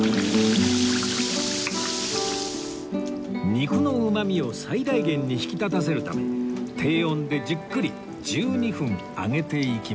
肉のうまみを最大限に引き立たせるため低温でじっくり１２分揚げていきます